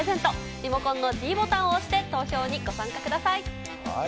リモコンのｄボタンを押して投票にご参加ください。